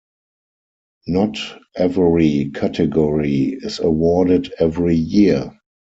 Not every category is awarded every year.